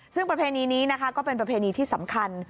ซึ่งประเพณีนี้นะคะก็เป็นประเพณีที่สำคัญ